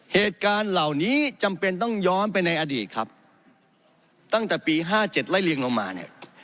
เหตุการณ์เหล่านี้จำเป็นต้องย้อนไปในอดีตครับตั้งแต่ปี๕๗ไล่เรียงลงมาเนี่ย